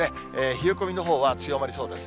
冷え込みのほうは強まりそうです。